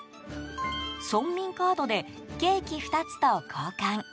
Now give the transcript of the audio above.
村民カードでケーキ２つと交換。